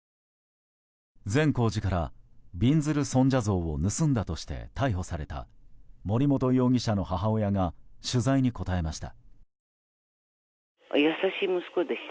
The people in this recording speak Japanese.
善光寺から、びんずる尊者像を盗んだとして逮捕された森本容疑者の母親が取材に答えました。